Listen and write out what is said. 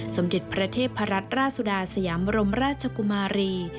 สมเด็จพระเทพรัตนราชสุดาสยามรมราชกุมารี